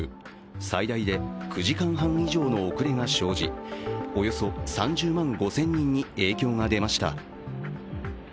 最大で９時間半以上の遅れが生じ、およそ３０万５０００人に影響が出ました。